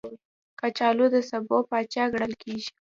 کچالو د سبو پاچا ګڼل کېږي